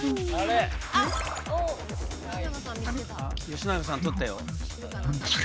吉永さん取ったよ。